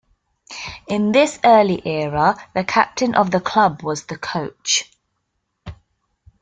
In this early era, the captain of the club was the coach.